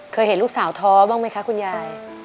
เห็นลูกสาวท้อบ้างไหมคะคุณยาย